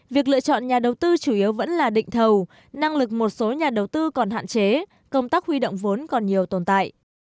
việc lựa chọn nhà đầu tư chủ yếu vẫn là định thầu năng lực một số nhà đầu tư còn hạn chế công tác huy động vốn còn nhiều tồn tại